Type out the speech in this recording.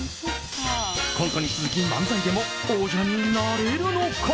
コントに続き漫才でも王者になれるのか。